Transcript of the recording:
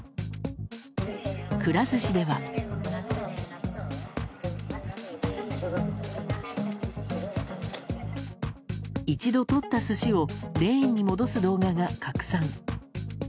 くら寿司では、一度取った寿司をレーンに戻す動画が拡散。